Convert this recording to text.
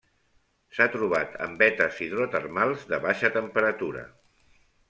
S'ha trobat en vetes hidrotermals de baixa temperatura.